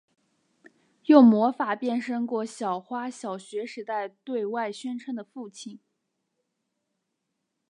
用魔法变身过小花小学时代对外宣称的父亲。